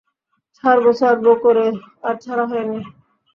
ছাড়ব ছাড়ব করে আর ছাড়া হয়নি।